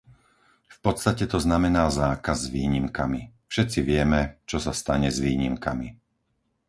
V podstate to znamená zákaz s výnimkami. Všetci vieme, čo sa stane s výnimkami.